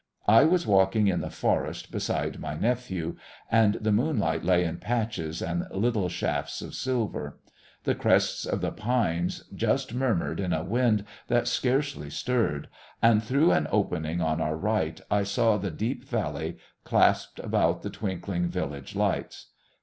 I was walking in the forest beside my nephew, and the moonlight lay in patches and little shafts of silver. The crests of the pines just murmured in a wind that scarcely stirred, and through an opening on our right I saw the deep valley clasped about the twinkling village lights.